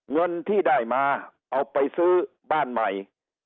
เงินที่ได้มาเอาไปซื้อบ้านใหม่